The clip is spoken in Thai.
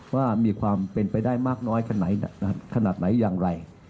ว่ามีความเป็นไปได้มากน้อยขนาดไหนขนาดไหนอย่างไร